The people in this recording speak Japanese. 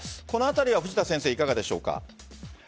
この辺りは藤田先生、いかがでしょう？